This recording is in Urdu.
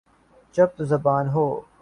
چرب زبان ہوں